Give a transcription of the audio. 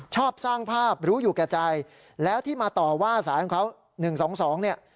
ชอบสร้างภาพรู้อยู่แก่ใจแล้วที่มาต่อว่าสายของเขา๑๒๒เนี่ย